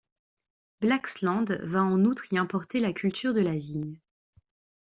Blaxland va en outre y importer la culture de la vigne.